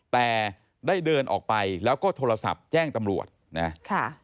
แต่ได้เดินออกไปแล้วก็โทรศัพท์แจ้งตำรวจนะค่ะ